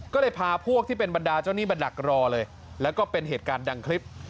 ก็เลยพาพวกที่เป็นบรรดาเจ้าหนี้มาดักรอเลยแล้วก็เป็นเหตุการณ์ดังคลิป